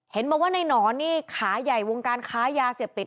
เห็นบอกว่าในหนอนนี่ขาใหญ่วงการค้ายาเสพติด